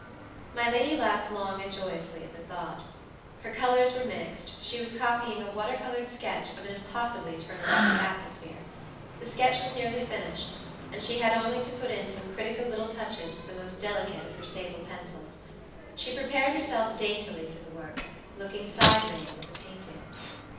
My lady laughed long and joyously at the thought. Her colors were mixed; she was copying a water colored sketch of an impossibly Turneresque atmosphere. The sketch was nearly finished, and she had only to put in some critical little touches with the most delicate of her sable pencils. She prepared herself daintily for the work, looking sideways at the painting.